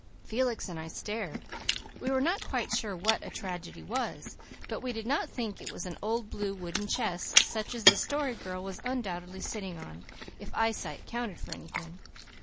Felix and I stared. We were not quite sure what a "tragedy" was, but we did not think it was an old blue wooden chest, such as the Story Girl was undoubtedly sitting on, if eyesight counted for anything.